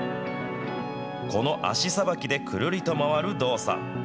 この脚さばきでくるりと回る動作。